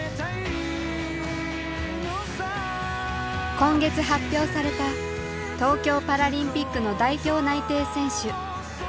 今月発表された東京パラリンピックの代表内定選手。